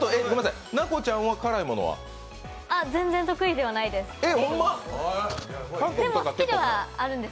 辛いの得意ではないです。